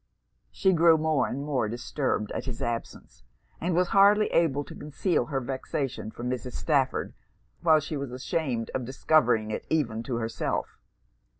She grew more and more disturbed at his absence; and was hardly able to conceal her vexation from Mrs. Stafford, while she was ashamed of discovering it even to herself.